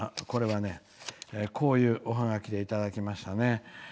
これは、こういうおハガキでいただきました。